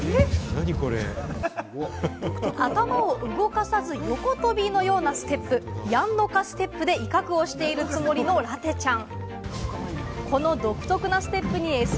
頭を動かさず、横跳びのようなステップ、やんのかステップで威嚇をしているつもりのラテちゃん。